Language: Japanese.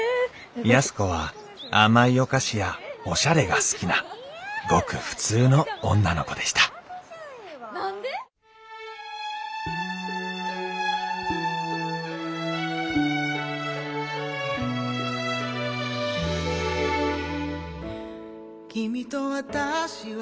安子は甘いお菓子やおしゃれが好きなごく普通の女の子でした「君と私は仲良くなれるかな」